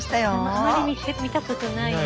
あまり見たことないね。